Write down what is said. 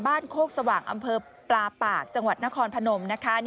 โคกสว่างอำเภอปลาปากจังหวัดนครพนมนะคะ